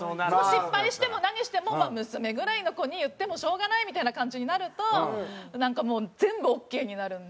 失敗しても何してもまあ娘ぐらいの子に言ってもしょうがないみたいな感じになるともう全部オーケーになるんで。